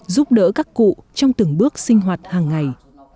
giúp đỡ các cụ trong từng bước sinh hoạt hàng ngày